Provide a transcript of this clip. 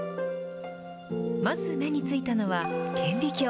まず目についたのは顕微鏡。